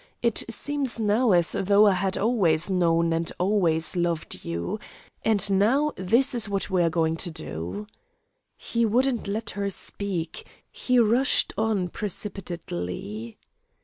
It seems now as though I had always known and always loved you. And now this is what we are going to do." He wouldn't let her speak; he rushed on precipitately.